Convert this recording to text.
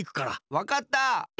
わかった！